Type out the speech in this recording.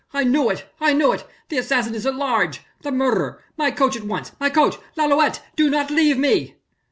I knew it ... I knew it ... the assassin is at large ... the murderer ... my coach at once ... my coach.... Lalouët do not leave me."